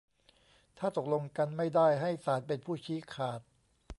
ถ้าตกลงกันไม่ได้ให้ศาลเป็นผู้ชี้ขาด